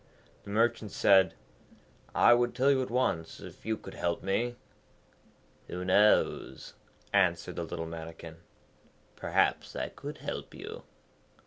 The Merchant said, 'I would tell you at once, if you could help me.' 'Who knows,' answered the little Mannikin. 'Perhaps I could help you.'